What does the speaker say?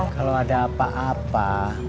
kalo ada apa apa